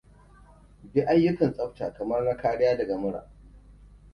Bi ayyukan tsafta kamar na kariyar daga mura.